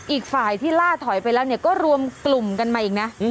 อีกฝ่ายที่ล่าถอยไปแล้วก็รวมกลุ่มกันมาอีกนะ